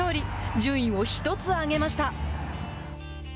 順位を１つ上げました。